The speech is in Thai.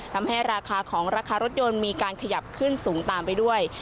ทำให้ราคาของราคารถยนต์มีการขยับขึ้นสูงตามไปด้วย